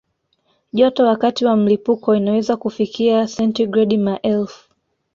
Joto wakati wa mlipuko inaweza kufikia sentigredi maelfu.